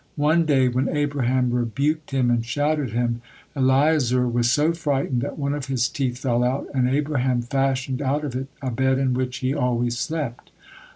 One day, when Abraham rebuked him and shouted at him, Eliezer was so frightened that one of his teeth fell out, and Abraham fashioned out of it a bed in which he always slept.